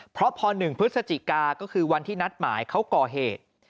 เพราะพอ๑พฤศจิกาก็คือวันที่นัดหมายเขาก่อเหตุ